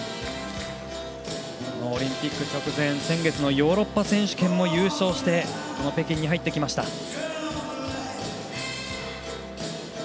このオリンピック直前先月のヨーロッパ選手権も優勝してこの北京に入ってきました。